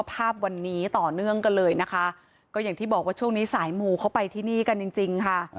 ภาพวันนี้ต่อเนื่องกันเลยนะคะก็อย่างที่บอกว่าช่วงนี้สายหมู่เขาไปที่นี่กันจริงจริงค่ะ